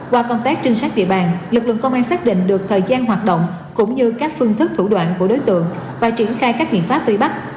qua công tác trinh sát địa bàn lực lượng công an xác định được thời gian hoạt động cũng như các phương thức thủ đoạn của đối tượng và triển khai các biện pháp tùy bắt